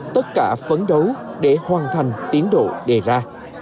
tất cả phấn đấu để hoàn thành tiến độ đề ra